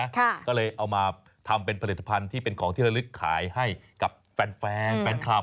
ก็เลยเอามาทำเป็นผลิตภัณฑ์ที่เป็นของที่ระลึกขายให้กับแฟนแฟนคลับ